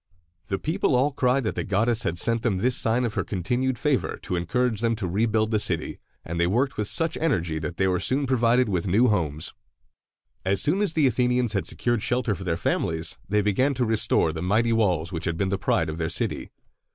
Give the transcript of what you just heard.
The people all cried that the goddess had sent them this sign of her continued favor to encourage them to rebuild the city, and they worked with such energy that they were soon provided with new homes. As soon as the Athenians had secured shelter for their families, they began to restore the mighty walls which had been the pride of their city.